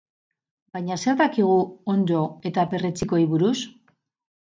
Baina zer dakigu onddo eta perretxikoi buruz?